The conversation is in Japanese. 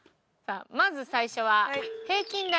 まず最初は。